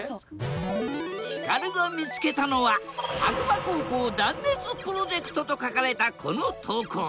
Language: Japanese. ヒカルが見つけたのは白馬高校断熱プロジェクトと書かれたこの投稿。